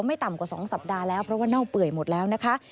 ไม่ต่ำกว่า๒สัปดาห์แล้วเพราะว่าเน่าเปื่อยหมดแล้วนะคะ